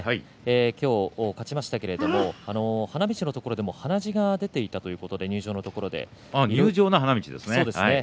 今日、勝ちましたけれども花道のところでも鼻血が出ていたということで入場のところですね